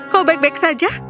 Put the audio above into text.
kau baik baik saja